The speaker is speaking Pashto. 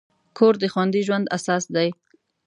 کور د خوندي ژوند اساس دی.